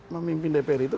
memimpin dpr itu